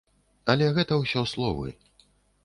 Але гэта ўсё словы.